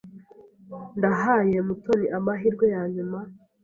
Ndahaye Mutoni amahirwe yanyuma.